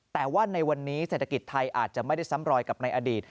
แต่ว่าในวันนี้เศรษฐกิจไทยอาจจะไม่ได้ซ้ำรอยกับในอดีต